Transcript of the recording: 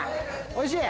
おいしい？